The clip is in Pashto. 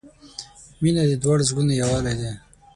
• مینه د دواړو زړونو یووالی دی.